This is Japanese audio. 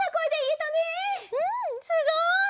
うんすごい！